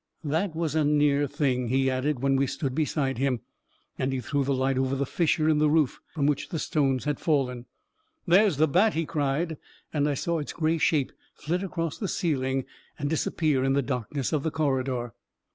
" That was a near thing," he added, when we stood beside him, and he threw the light over the fissure in the roof from which the stones had fallen. " There's the bat I " he cried, and I saw its gray shape flit across the ceiling and disappear in the darkness of the corridor.